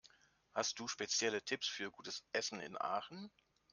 Hast du spezielle Tipps für gutes Essen in Aachen?